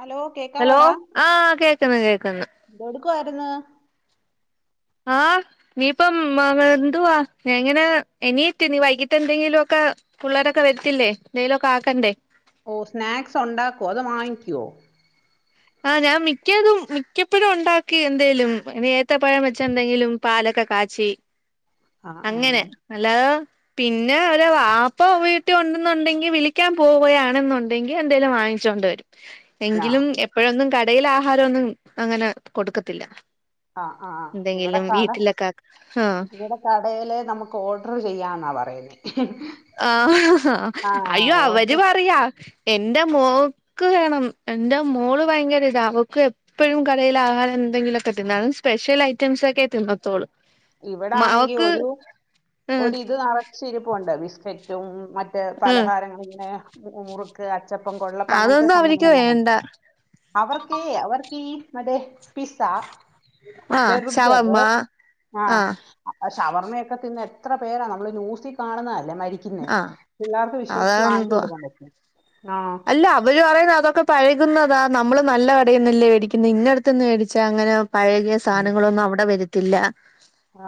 Hello hello കേക്കാവോടാ ആഹ് കേക്കുന്നു കേക്കുന്നു എന്തോടുക്കുവാരുന്നു ആഹ് ഇനയിപ്പം മ എന്തുവാ ഞാൻഎങ്ങനെ എനീത്തിനി വൈകിട്ട് എന്തെങ്കിലും ഒക്കെ പുള്ളേരൊക്കെ വരത്തില്ലേ എന്തേലൊക്കെ ആക്കണ്ടേ ഓഹ് സ്നാക്സ് ഒണ്ടാക്കൂവോ അതോ വാങ്ങിക്കുവോ ആഹ് ഞാൻ മിക്കതും മിക്കപ്പഴും ഒണ്ടാക്കി എന്തേലും ഇനി ഏത്തപ്പഴം വെച്ച് എന്തെങ്കിലും പാലൊക്കെ കാച്ചി [unintelligible] അങ്ങനെ ഹലോ പിന്നെ ഒരു വാപ്പ വീട്ടി ഒണ്ടെന്നുണ്ടെങ്കി വിളിക്കാൻ പോവുകയാണെന്നുണ്ടെങ്കിൽ എന്തേങ്കലും വാങ്ങിച്ചോണ്ട് വരും [inaudible] എങ്കിലും എപ്പഴൊന്നും കടേൽ ആഹാരം ഒന്നും അങ്ങനെ കൊടുക്കത്തില്ല ആ ആ ആ എന്തെങ്കിലും വീട്ടിലൊക്കെ ആഹ് കടേലെ നമുക്ക് ഓഡറു ചെയ്യാംന്നാ പറയുന്നേ ആഹ് ആ അയ്യോ അവര് ഓർഡർ പറയാ എന്റെ മോക്ക് വേണം എന്റെ മോള് ഭയങ്കര ഇതാ അവക്ക് എപ്പഴും കടയിൽ ആഹാരം എന്തെങ്കിലൊക്കെ തിന്നാലും സ്പെഷ്യൽ ഐറ്റംസ് ഒക്കെ തിന്നത്തോളൂ മ ഇവിടാണെങ്കി അവക്ക് ഒരു ഉം ഒരിത് നെറച്ചിരിപ്പൊണ്ട് ബിസ്കറ്റും മ റ്റ് ഉം പലഹാരങ്ങൾ ഇങ്ങനെ മുറുക്ക് അച്ചപ്പം കൊഴലപ്പം അങ്ങനത്തെ അതൊന്നും അവർക്ക് സാധനങ്ങളെല്ലാം വേണ്ട അവർക്കീ അവർക്കീ മറ്റേ പിസ്സാ ആഹ് ഷവർമ്മ ബർഗറ് ആഹ് ഷവർമ്മയൊക്കെ തിന്ന് എത്ര പേരാ നമ്മള് ന്യൂസിൽ കാണുന്നതല്ലേ മരിക്കുന്നേ ആഹ് പിള്ളേർക്ക് വിശ്വസിച്ച് വാങ്ങിച്ചു കൊടുക്കാൻ പറ്റുമോ ആഹ് ഇല്ല അവര് പറയുന്ന് അതൊക്കെ പഴകുന്നതാ നമ്മള് നല്ല കടയിന്നല്ലേ ഏടിക്കുന്നെ ഇന്നടുത്തൂന്ന് മേടിച്ചാ അങ്ങനെ പഴകിയ സാധനങ്ങളൊന്നും അവടെ വരത്തില്ല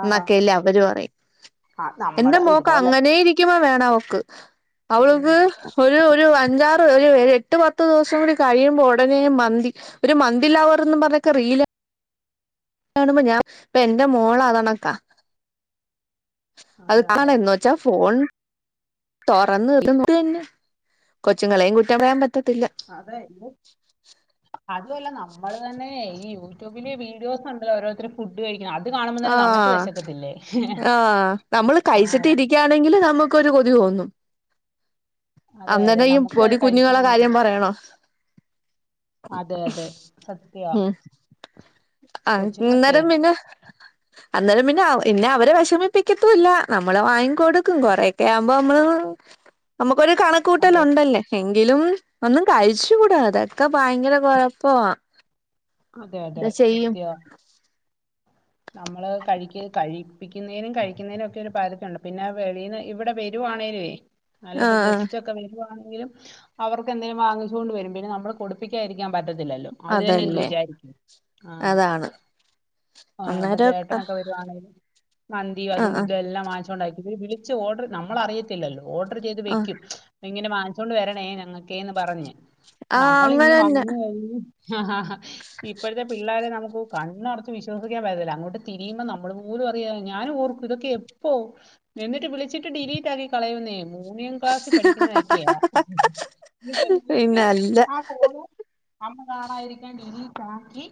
ആഹ് എന്നൊക്കെയല്ലേ അവര് പറയുന്നത് ആഹ് എന്റെ നമ്മള് മോക്ക് ഇതുപോലെ അങ്ങനേ ഇരിക്കമ്പം വേണം അവക്ക് ഉം അവൾക്ക് ഒരു ഒരു അഞ്ചാർ ഒരു ഒരു എട്ട് പത്ത് ദിവസം കൂടി കഴിയുമ്പ ഒടനെ മന്തി ഒരു മന്തി ലാവറന്ന് പറഞ്ഞൊക്കെ റീൽ കാണുമ്പ ഞാൻ ഇപ്പ എന്റെ മോളതണക്കാ അത് അതെ അതെ കാണെ ച്ചാ ഫോൺ തുറന്ന തന്നെ കൊച്ചുങ്ങളേം കുറ്റം പറയാൻ പറ്റത്തില്ല അതെ എന്റെ അതും അല്ല നമ്മള് തന്നെ ഈ യൂട്യൂബില് വീഡിയോസ് ഒണ്ടല്ലോ ഓരോരുത്തരും ഫുഡ് കഴിക്കണം അത് കാണുമ്പം തന്നെ നമ്മക്ക് ആഹ് വെശക്കത്തില്ലേ ആഹ് യ്ക്കാണെങ്കിലും നമുക്കൊരു കൊതി തോന്നും അതെ അതെ അന്നെരം ഈ നമുക്കും അത് പൊടി കുഞ്ഞുങ്ങടെ കഴിക്കണം കാര്യം പറയണോ അതെ അതെ സത്യവാ ഉം കൊച്ചുങ്ങക്കെ അന്നേരം പിന്നെ [inaudible] അന്നേരം പിന്നെ പിന്നെ അവരെ വിഷമിപ്പിക്കത്തും ഇല്ല നമ്മള് വാങ്ങി കൊടുക്കും കൊറെയൊക്കെ ആവുമ്പ അമ്മള് നമുക്കൊരു അതെ കണക്കൂകൂട്ടലൊണ്ടല്ലോ എങ്കിലും ഒന്നും കഴിച്ചു കൂടാ അതൊക്കെ ഭയങ്കര കൊഴപ്പമാ അതെ അതെ സത്യമാ നമ്മള് കഴിക്ക് കഴിപ്പിക്കുന്നതിനും കഴിക്കുന്നതിനും ഒക്കെ ഒരു പരുദിയുണ്ട് പിന്നെ വെളീന്ന് ഇവിടെ വര് രുവാണേലുമേ ആഹ് നല്ലത് ആഹ് ഗസ്റ്റ് ഒക്കെ വരുവാണേലും അവർക്കെന്തേലും വാങ്ങിച്ചോണ്ടു വരും പിന്നെ നമ്മള് കൊടു ക്കായിരിക്കാൻ പറ്റത്തില്ലല്ലോ അവര് തന്നെ എന്ത് അതല്ലേ വിചാരിക്കും ആ അതാണ് ആഹ് ഇപ്പൊ അന്നേരം ആഹ് ചേട്ടനൊക്കെ വരുവാണെങ്കിൽ മന്തി അതും ആഹ് ആഹ് ഇതും എല്ലാം വങ്ങിച്ചുകൊണ്ടായിരിക്കു ഇവര് വിളി ച്ച്ഓർഡർ നമ്മൾ അറിയത്തില്ലല്ലോ ഓർഡർ ചെയ്ത് ആഹ് വെക്കും ഇങ്ങനെ വാങ്ങിച്ചോണ്ട് വരണേ ഞങ്ങക്കേന്ന് പറഞ്ഞ് നമ്മള് ഇങ്ങ് അങ്ങനെന്നെ വന്ന് കഴിഞ്ഞ് ഹ ഹ ഹ ഇപ്പോഴത്തെ പിള്ളാരെ നമുക്ക് കണ്ണടച് വിശ്വാ വിശ്വസിക്കാൻ പറ്റുന്നില്ല അങ്ങോട്ട്തിരിയുമ്പോ നമ്മള് പോലും അറിയ ഞാനും ഓർക്കും ഇതൊക്ക എപ്പോ എന്നിട്ട് വിളിച്ചിട്ട് ഡിലീറ്റ് ആക്കി കളയുന്നേ മൂന്നാം ക്ലാസ്സിൽ പഠിക്കുന്നതൊക്കെയാ പിന്നെ അല്ല [unintelligible] അമ്മ കാണായിരിക്കാൻ ഡിലീറ്റ് ആക്കി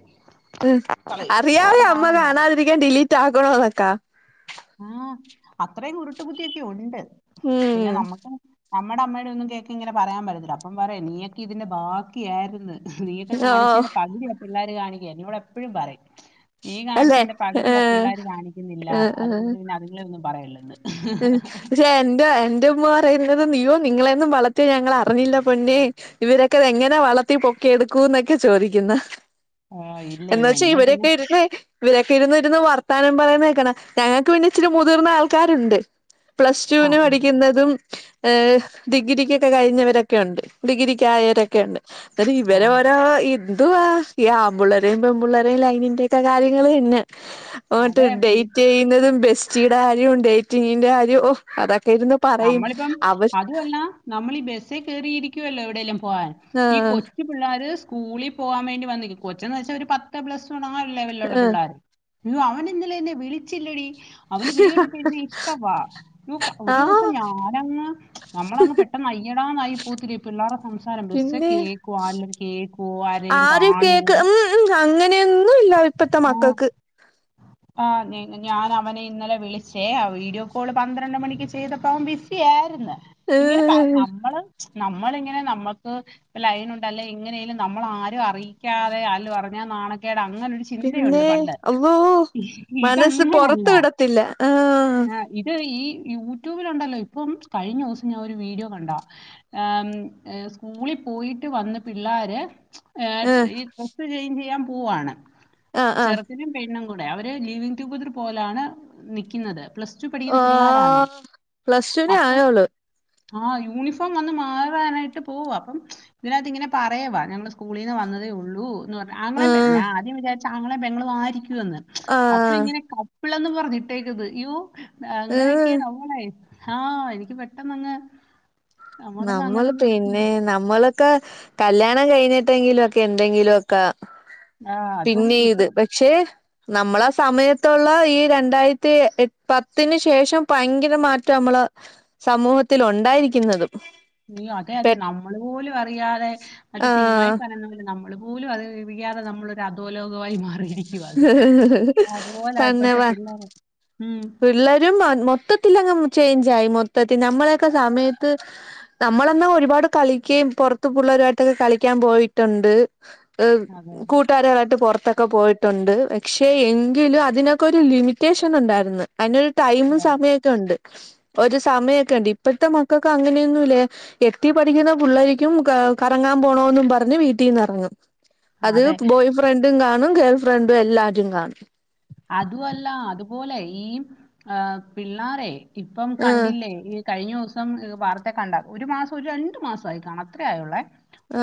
ഉം കളയും. അറിയാവേ ആരും അമ്മ കാണണ്ട. കാണാതിരിക്കാൻ ഡിലീറ്റ് ആക്കണോ എന്നൊക്കാ ആഹ് അത്രയും കുരുട്ട് ബുദ്ധിയൊക്കെ ഉണ്ട് പിന്നെ ഉം നമ്മുക്ക് നമ്മുടെ അമ്മയുടെ ഒന്നും കേക്ക ഇങ്ങനെ പറയാൻ പറ്റത്തില്ല അപ്പം പറയാ നീക്ക് ഇതിന്റെ ബാക്കിയായിന്ന് നീയൊക്കെ ഓഹ് കാണിച്ചേന്റെ പകുതിയ ആഹ്പിള്ളോര് കാണിക്കല്ല ഇവടെ എപ്പഴും പറയും നീ കാണിച്ച അല്ലെ എന്റെ പകുതി അഹ് ഏഹ് പിള്ളേർ കാണിക്കുന്നില്ല ഏഹ് അത്കൊണ്ട് പിന്നെ അതിങ്ങളെ ഒന്നും പറയല്ലെന്ന് ഉ പക്ഷേ എൻന്റെ എന്റെ ഉമ്മ പറയുന്നത് നീയോ നിങ്ങളൊ ന്നും വളർത്തിയ ഞങ്ങൾ അറിഞ്ഞില്ല പൊന്നെ ഇവരൊക്കെ എങ്ങനെ വളർത്തി പൊക്കി എടുക്കൂന്നൊക്കെ ചോദിക്കുന്ന ആ, ഇല്ല എന്ന ഇല്ല വച്ചാ എന്നെ പിന്നെ ഇവിരൊക്കെ ഇരുന്ന് ഇവരൊക്കെ ഇരുന്ന് ഇരുന്ന് വർത്താനം പറയുന്നത് കേക്കണ ഞങ്ങൾക്ക് പിന്നെ ഇച്ചിരി മുതിർന്ന ആൾക്കാരുണ്ട് പ്ലസ് ടു ആ വിന് പഠിക്കുന്നതും ഏഹ് ഡിഗ്രിക്കൊക്കെ കഴിഞ്ഞവരൊക്കെ ഉണ്ട് ഡിഗ്രിക്കായവരൊക്കെ ഉണ്ട് അല്ല ആ ആ. ഇവരെ ഓരോ ഈ എന്തുവാ ഈ ആമ്പുള്ളരേയും പെൺമ്പള്ളരേയും ലൈനിന്റെ ഒക്കെ കാര്യങ്ങൾ തന്നെ ഓട്ട് അതെ ഡേറ്റ് ചെയ്യുന്നതും ബെസ്റ്റിയുടെ കാര്യവും ഡേറ്റിങ്ങിന്റെ കാര്യവും ഓ അതൊക്കെ ഇരുന്നു പറയും നമ്മളിപ്പം അവ അതുമല്ല നമ്മൾ ഈ ബസ്സേ ക കേറിയിരിക്കുവല്ലോ എവിടെയെല്ലാം പോവാൻ ഈ ആഹ് കൊ ച്ചു പിള്ളോര് സ്കൂളിൽ പോകാൻ വേണ്ടി വന്നു നിക്കും കൊച്ചന്ന് വെച്ചാൽ ഒരു പത്ത് പ്ലസ് വൺ ആ ഒരുലെവലിലുള്ള ആഹ് പിള്ളോര് അയ്യോ അവൻ ഇന്നലെ വിളിച്ചില്ലടി അവന് വേറൊരു പിന്നെ ഇഷ്ടവാ നോക്കാം ഒരു ആഹ് ഞാനങ് നമ്മളങ്ങ് പെട്ടെന്ന് അയ്യടാന്നായി പോത്തില്ല പിള്ളേരുടെ സംസാരം ബസ് പിന്നെ കേ കേക്കുവ ആരെല്ലാം കേൾക്കുവോ ആരെങ്കലും ആരും കാണുവോ കേക്ക് ഉം അങ്ങനെയൊന്നും ഇല്ല ഇപ്പത്തെ ആ മക്കൾക്ക് ആഹ് ഞാൻ അവനെ ഇന്നലെ വിളിച്ചേ ആ വീഡിയോ കോൾ പന്ത്രണ്ട് മണിക്ക് ചെയ്തപ്പോ അവൻ ബിസി ആയിരുന്ന് ഇങ്ങനെ ഏഹ് നമ്മള് നമ്മളിങ്ങനെ നമ്മക്ക് ഒരു ലൈനുണ്ട് അല്ലെ എങ്ങനെലും നമ്മള ആരും അറിയിക്കാതെ അല്ല ആരു അറിഞ്ഞാ നാണക്കേട അങ്ങനെ ഒരു ചി പിന്നെ അള്ളോ മനസ്സ് ഇതങ്ങനല്ല പൊറത്ത് വിടത്തില്ല ആഹ് ഇത് ഈ യൂട്യൂബില് ഉണ്ടല്ലോ ഇപ്പം കഴിഞ്ഞ ദിവസം ഞാൻ ഒരു വീഡിയോ കണ്ടാ ആം സ്കൂളിൽ പോയിട്ട് വന്ന പിള്ളോര് ആഹ് ഈ ട്രസ് ചെയ്ഞ്ച് ചെയ്യാൻ പോവാണ് ആഹ് ആഹ് ചെറുക്കനും പെണ്ണും അവര് ലീവിങ് ടുഗദർ പോലാണ് നിക്കുന്നത് പ്ലസ് റ്റു പടിക്കുന്ന പിള്ളാരാണ് ആഹ് പ്ലസ് ടുവിനെ അപ്പൊ ആയോള് ആഹ് യൂണിഫോം വന്ന് മാറാനായിട്ട് പോവുവ അപ്പം ഇതിനകത്ത് ഇങ്ങനെ പറയവ ഞങ്ങള്ൾ സ്കൂളിൽ നിന്ന് വന്നതേ ഉള്ളൂ ന്ന് പറഞ്ഞു ആങ്ങളെ പെങ്ങളും ആഹ് ഞാൻ ആദ്യം വിചാരിച്ച ആങ്ങളെ പെങ്ങളും ആയിരിക്കും എന്ന് അപ്പൊ ആഹ് ഇങ്ങനെ കപ്പളും പറഞ്ഞിട്ടേ ക്കുന്നു അയോ ഏഹ് അങ്ങനെയൊക്കെയ നമ്മളെ ഹാ എനിക്ക് പെട്ടെന്നങ് നമ്മൾ പിന്നെ നമ്മൾ ക്ക് കല്യാണം കഴിഞ്ഞിട്ടെങ്കിലും ഒക്കെ എന്തെങ്കിലും ഒക്കെ ആ അതും ഇപ്പഴ് പിന്നെത് ച്ചേ നമ്മളെ സമയത്തുള്ള ഈ രണ്ടായിരത്തി പത്തിന് ശേഷം ഭയങ്കര മാറ്റം നമ്മള് സമൂഹത്തിൽ ഉണ്ടായിരിക്കുന്നതും അയ്യോ അതെ അതെ പെ നമ്മൾ പോലും അറിയാതെ അത് സിനിമായി ആഹ് പറയുന്ന പോലെ നമ്മ നമ്മൾ പോലും അത് ഇവരിയാതെ നമ്മളൊരു അധോലോകമായി മാറി ഇപ്പഴത്തെ തന്നെവാ പിള്ളേര്. ഉം പിള്ളേരും മൊത്തത്തിൽങ്ങ് ചേഞ്ച് ആയി മൊത്തത്തിൽ നമ്മളൊക്കെ സമയത്ത് നമ്മളെന്നാ ഒരുപാട് കളിക്കുകയും പുറത്ത് പിള്ളരുമായിട്ടൊക്കെ കളിക്കാൻ പോയിട്ടുണ്ട് അഹ് അതെ. കു കൂട്ടാരകായിട്ട് പുറത്തൊക്കെ പോയിട്ടുണ്ട് പക്ഷേ എങ്കിലും അതിനൊക്കെ ഒരു ലിമിറ്റേഷൻ ഉണ്ടായിരുന്നു അതിനൊരു ടൈമും സമയമൊക്കെ ഉണ്ട് ഒരു സമയമൊക്കെ ഉണ്ട് ഇപ്പൾത്തെ മക്കൾക്ക് അങ്ങനെയൊന്നുംല്ല എട്ടി പഠിക്കുന്ന പിള്ളരിക്കും കറങ്ങാൻ പോണോ പറഞ്ഞ് വീട്ടിൽന്ന് ഇറങ്ങും അത് അതെ. ബോയ് ഫ്രണ്ടും കാണും ഗേൾ ഫ്രണ്ടും എല്ലാരും കാണും അതുവല്ല അതുപോലെ ഈ ആ പിള്ളേരെ ഇപ്പം ആഹ് കണ്ടില്ലേ ഈ കഴിഞ്ഞോസം വാർത്തെ കണ്ട ഒരു മാസം ഒരു രണ്ടു മാസായി കാണ അത്ര ആയുള്ളെ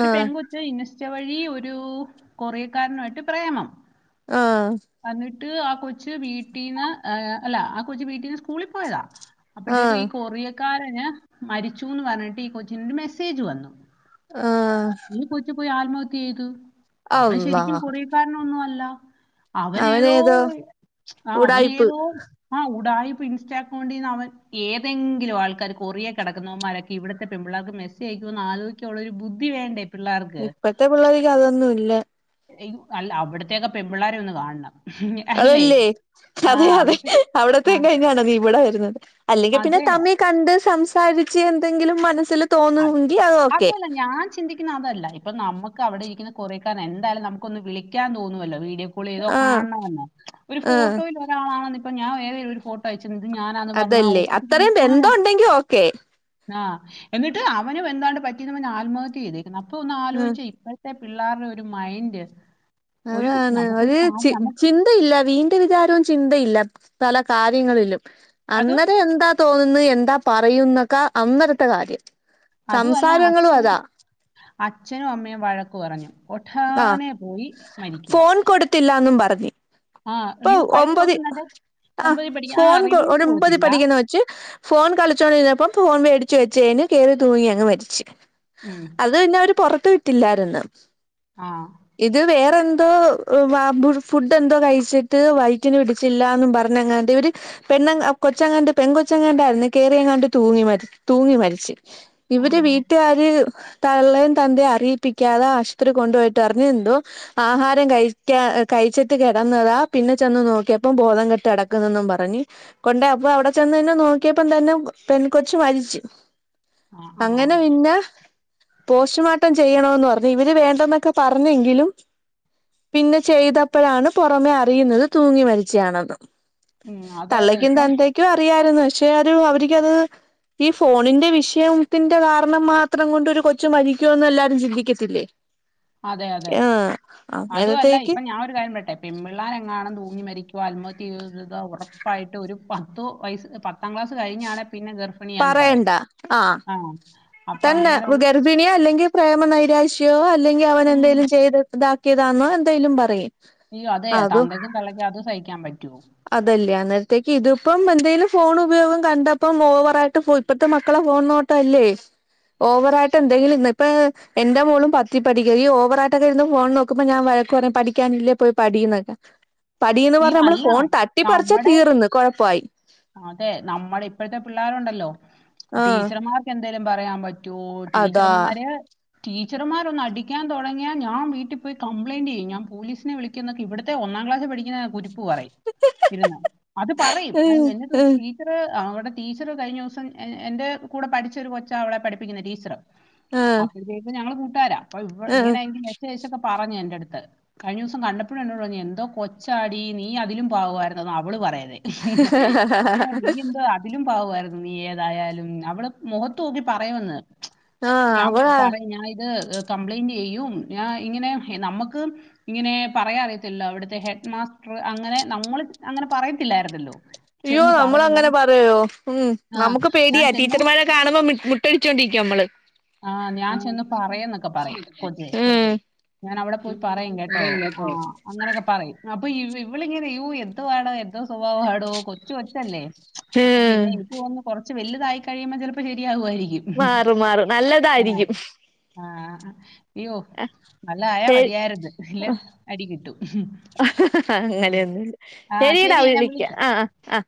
ഒരു പെൺകൊ ച്ച് ഇനിസ്റ്റ വഴി ഒരു കൊറിയക്കാരനുമായിട്ട് പ്രേമം ആഹ് അന്നിട്ട് ആ കൊച്ച് വീട്ടീന്ന് അല്ല ആ കൊച്ച് വീട്ടീന്ന് സ്കൂളിൽ പോയതാ അപ്പോഴത്തേക്കും ആഹ് ഈ കൊറിയക്കാരന് മരിച്ചുന്ന് പറഞ്ഞിട്ട് ഈ കൊച്ചിന് ഒരു മെസ്സേജ് വന്നു ആഹ് ഈ കൊച്ച് പോയി ആത്മഹത്യ ചെയ്ത് അവൻ അള്ളാ ശെരിക്കും കൊറിയക്കാരൻ ഒന്നും അല്ല അവന് ഏതോ അവനേതോ ആഹ് അവന് ഉടായിപ്പ് ഏതോ ആഹ് ഉടായിപ്പ്‌ ഇൻസ്റ്റഎക്കോണ്ട്ന്ന് അവൻ ഏതെങ്കിലും ആൾക്കാര് കൊറിയ കിടക്കുന്നമാരൊക്കെ ഇവിടുത്തെ പിള്ളേർക്ക് മെസ്സി അയക്കുന്ന് ആലോചിക്ക ക്കള്ളൊരു ബുദ്ധി വേണ്ടേ പിള്ളേർക്ക് ഇപ്പത്തെ പിള്ളേർക്ക് അതൊന്നും ഇല്ല അല്ല അവിടത്തേൊക്കെ പെൺ പിള്ളേര ഒന്ന് കാണണം അല്ലേ അതല്ലേ ആ അതെ അതെ അവിടുത്തെ അവിടത്തേ ആ കഴിഞ്ഞാണ് നീ ഇവിടെ വരുന്നത് അല്ലെങ്കിൽ പിന്നെ അതെ തമിൽ കണ്ട് സംസാരിച്ച് എന്തെങ്കിലും മനസ്സിൽ അതെ തോന്നുമെങ്കിൽ അത് ഓക്കെ അതുഅല്ലങ്കി ഞാൻ ചിന്തിക്കുന്ന അതല്ല ഇപ്പൊ നമുക്ക് അവിടെ ഇരിക്കുന്ന കൊറിയക്കാൻ എന്തായാലും നമുക്കൊന്ന് വിളിക്കാൻ തോന്നുമല്ലോ വീഡിയോ കോളെയ്തോ ആഹ് കാണ്ണോന്നൊ ഒരു ആഹ് ഫോട്ടോൽ ഒരാളാണ ഇപ്പൊ ഞാൻ വേറെ ഒരു ഫോട്ടോ അയച്ചിരുന്നത് ഞാനാന്ന് പറഞ്ഞാ ഓ കെ ആഹ് എന്നിട്ട് അവനും എന്താണ്ട് പറ്റിന്ന് പറഞ്ഞ് ആത്മഹത്യ ചെയ്തേക്കുന്നു അപ്പൊ ഒന്ന് ഉം ആലോചിച്ച ഇപ്പ ത്തെ പിള്ളേരുടെ ഒരു മൈന്റ്‌ അതാണ് ഒരു ചി നമുക്ക് ചിൻ ന്തയില്ല വീണ്ട് വിചാരവും ചിന്തയില്ല പല കാര്യങ്ങളിലും അതും അന്നേരം എന്താ തോന്നുന്നു എന്താ പറയുന്നൊക്ക അന്നത്തെ കാര്യം അതുമല്ല സംസാരങ്ങളും അച്ഛൻ അതാ അച്ഛനും അമ്മയും വഴക്കു പറഞ്ഞു ഒട്ടാനെ പോയി മരിക്ക ത്തില്ലാന്നും പറഞ്ഞു ഇപ്പൊ കഴിഞ്ഞ ഒമ്പത് ദിവസം തന്നെ ആഹ് ഒമ്പതിൽ പഠിക്കാൻ ഫോൺ ആ റിമോട്ട് ഒമ്പത് കൊടുത്തില്ല പഠിക്കുന്ന കൊച്ച് ഫോൺ കളിച്ചുകോണ്ടിരുന്നപ്പം ഫോൺ മേടിച്ച് വെച്ചെന് കേറി തൂങ്ങി അങ് മരിച്ചു ഉം അത് പിന്നെ അവര് പുറത്തു വിട്ടില്ലായിരുന്നു ആഹ് ഇത് വേറെന്തോ ഫുഡ് എന്തോ കഴിച്ചി ട്ട് വൈറ്റിന് പിടിച്ചില്ല എന്നും പറഞ്ഞങ്ങാണ്ട് ഇവര് പെണ്ണ് കൊച്ചങ്ങാണ്ട് പെൺ കൊച്ചങ്ങാണ്ടായിരുന്നു കെറിയങ്ങാണ്ട് തൂങ്ങി മരി തൂങ്ങി മരിച്ച് ആ ഇവര് വീട്ടുകാര് തള്ളയും തന്തേയും അറിയിപ്പിക്കാതെ ആശുപത്രി കൊണ്ടുപോയിട്ട് അറിഞ്ഞ് ന്തോ ആഹാരം കഴിക്കാ കഴിച്ചിട്ട് കിടന്നതാ പിന്നെ ചെന്ന് നോക്കിയപ്പം ബോധം കെട്ട് അടക്കുന്നൊന്നും പറഞ്ഞ് കൊണ്ടേ അപ്പൊ അവിടെ ചെന്ന് തന്നെ നോക്കിയപ്പം തന്നെ പെൻ കൊച്ചു മരിച്ചു ആ ആ അങ്ങനെ പിന്നെ പോസ്റ്റ്മോർട്ടം ചെയ്യണോന്ന് പറഞ്ഞ് ഇവര് വേണ്ടെന്നൊക്കെ പറഞ്ഞെങ്കിലും പിന്നെ ചെയ്തപ്പോഴാണ് പുറമെ അറിയുന്നത് തൂങ്ങി മരിച്ചയാണെന്ന് ഉം അതെ അതെ തള്ളെക്കും ഇപ്പം തന്തക്കും ക്കും അറിയായിരുന്നു പക്ഷെ അത് അവർക്ക് അത് ഈ ഫോണിന്റെ വിഷയത്തിന്റെ കാരണം മാത്രം കൊണ്ട് ഒരു കൊച്ചു മരിക്കോന്ന് എല്ലാരും ചിന്തിക്കത്തില്ലേ അതെ അതെ ആഹ് അതു അല്ല അന്നേരത്തേക്ക് ഇപ്പൊ ഞാനരു കാര്യം പറട്ടെ പെമ്പിള്ളാരെങ്ങാണും തൂങ്ങി മരിക്കുവ അത്മഹത്യ ചെയ ഉറപ്പായിട്ട് ഒരു പത്തുവയസ്സ് പത്ത് പത്താം ക്ലാസ് കഴിഞ്ഞാണെ പിന്നെ ഗർഭിണിയന്ന് പറയും ആഹ് തന്നെ ഗർഭിണിയോ അല്ലെങ്കിൽ പ്രേമനൈരാശ്യയോ അല്ലെങ്കിൽ അവൻ ഉം എന്തേങ്കലും ചെയ്ത് ഇതാക്കിയതാണോ എന്തെങ്കിലും പറയും അയ്യോ അതെ അതും തന്തയ്ക്കും തള്ളയ്ക്കും അത് സഹിക്കാൻ പറ്റുവോ അതല്ലേ അന്നേരത്തേക്ക് ഇതിപ്പം എന്തേലും ഫോൺ ഉപയോഗം കണ്ടപ്പം ഓവറായിട്ട് ഇപ്പഴത്തെ മക്കളെ ഫോൺ നോ തല്ലേ ഓവറായിട്ട് എന്തെങ്കിലും ന്ന് ഇപ്പൊ എന്റെ മോളും പത്തി പഠിക്ക ഈ ഓവറായിട്ടൊക്കെ ഇരുന്ന് ഫോൺ നോ നോക്ക ക്കുമ്പ ഞാൻ വഴകു പഠിക്കാനില്ലേ പോയി പഠീന്നൊക്കെ പഠീന്ന് ഈ പറഞ്ഞ് നമ്മള് അല്ല ഫോൺ തട്ടിപ്പറിച്ചാൽ നമ്മുടെ തീർന്ന് കൊഴപ്പായി അതെ നമ്മുടെ ഇപ്പോഴത്തെ പിള്ളേരു ഉണ്ടല്ലോ ആഹ് ടീച്ചർമാർക്ക് എന്തേങ്കലും പറയാൻ പറ്റ റ്റോ അതാ ടീച്ചർമാര് ടീച്ചർമാർ ഒന്നടിക്കാൻ തുടങ്ങിയാ ഞാൻ വീട്ടി പോയി കംപ്ലയിന്റ് ചെയ്യും ഞാൻ പോലീസിനെ വിളിക്ക ക്കും ന്നൊക്കെ ഇവിത്തെ ഒന്നാം ക്ലാസ് പഠി ന്ന കുരുപ്പ് പറയും ഇരുന്ന് അത് പറയും ഉം എന്നിട്ടൊരു ഉം ടീച്ച ടീച്ചറ് അവടെ ടീച്ചറ് കഴിഞ്ഞ ദിവസം എൻ്റെ കൂടെ പഠിച്ചൊരു കൊച്ചാണ് അവളെ പഠിപ്പിക്കുന്ന ടീച്ചറ് ആഹ് അപ്പഴത്തേക്കും ഞങ്ങള് കൂട്ടുകാരാ അപ്പൊ ഇവ ആഹ് ഇങ്ങനെങ്കി വിശേഷം ഒക്കെ പറഞ്ഞു എന്റെ അടുത്ത് കഴിഞ്ഞ ദിവസം കണ്ടപ്പോഴും എന്നോട് പറുഞ്ഞു എന്തോ കൊ ച്ചാടി നീ അതിലും പവമായിരുന്നു ന്ന് അവള് പറയവേ അവടെ നീ എന്താ തിലും പാവമായിരുന്നു നീ ഏതായാലും അവടെ മുഖത്ത് നോക്കി പറയുമെന്ന് ആഹ് ഞാൻ അവളാ പറയും ഞാൻ ഇത് കംമ്പ്ലന്റ് ചെയ്യും ഞൻ ഇങ്ങനെ നമുക്ക് ഇങ്ങനെ പറയാൻ അറിയത്തില്ലോ അവിടുത്തെ ഹെ ഹഡ് മാസ്റ്റർ അങ്ങനെ നമ്മൾ അങ്ങനെ പറയത്തില്ലായിരുന്നല്ലോ അയ്യോ ചെന്ന് നമ്മള് പറയും ഞാൻ അങ്ങനെ പറയോ ഉം ആ നമുക്ക് ഞാൻ പേടിയാ ചെന്ന് ടീച്ചർമാരെ കാണുമ്പോ മുട്ടടിച്ചോണ്ടിരിക്കും നമ്മള് ആഹ് ഞാൻ ചെന്ന് പറയന്നൊക്കെ പറയും കൊച്ചേ ഉം ഞാൻ അവിടെ പോയി പറയും കേട്ടോ ആഹ് അങ്ങനെയൊക്കെ പറയും അപ്പൊ ഇ ഇവളിങ്ങനെ യ്യോ എന്തുവാടോ എന്തോ സ്വഭാവാടോ കൊച്ചു കൊച്ചല്ലേ അപ്പൊ ഉം പിന്നെ എനിക്ക് തോന്നുന്നു കൊറച്ച് വലുതായി കഴിയുമ്പോ ചിലപ്പോ ശരിയാകുയിരിക്കും മാറും മാറും നല്ലതായിരിക്കും ആഹ് അയ്യോ നല്ല ആയാ ശരി മതിയായിരുന്ന് ഇല്ലെ അടി കിട്ടും ഉം. അങ്ങനെയൊന്നുല്ല ആ ശെരിടാ ശരി ഞാൻ വിളിക്ക വിളിക്കാം ആഹ് ആഹ്